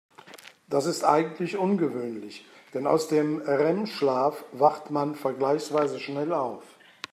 Das ist eigentlich ungewöhnlich, denn aus dem REM-Schlaf wacht man vergleichsweise schnell auf.